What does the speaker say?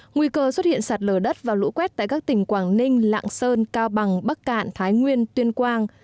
nguy cơ xuất hiện sạt lở đất và lũ quét tại các tỉnh quảng ninh lạng sơn cao bằng bắc cạn thái nguyên tuyên quang